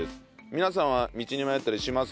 皆さんは道に迷ったりしませんか？